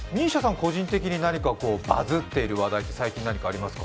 個人的に何かバズっている話題、最近ありますか？